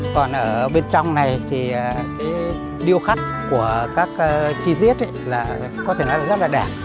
còn ở bên trong này thì cái điêu khắc của các chi tiết ấy là có thể nói là rất là đẹp